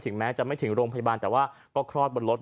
แม้จะไม่ถึงโรงพยาบาลแต่ว่าก็คลอดบนรถ